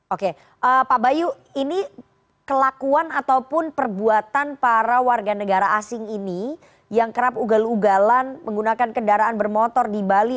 oke pak bayu ini kelakuan ataupun perbuatan para warga negara asing ini yang kerap ugal ugalan menggunakan kendaraan bermotor di bali